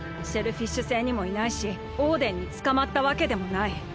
シェルフィッシュ星にもいないしオーデンにつかまったわけでもない。